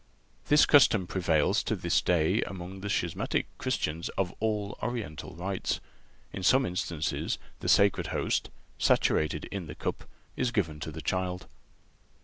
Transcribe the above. This custom prevails to this day among the schismatic Christians of all Oriental rites. In some instances the Sacred Host, saturated in the cup, is given to the child.